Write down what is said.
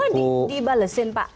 itu semua dibalesin pak